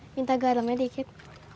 minta garam sedikit